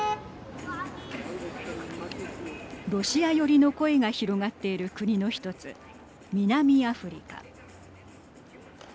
ロシア寄りの声が広がっている国の１つ南アフリカ。